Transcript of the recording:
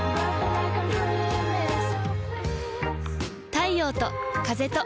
太陽と風と